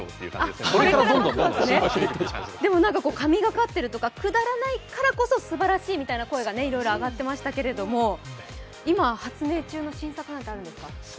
です神がかっているからとか、くだらないからすばらしいみたいな声がいろいろ上がっていましたけれども今、発明中の新作なんかありますか？